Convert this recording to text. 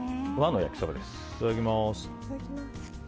いただきます。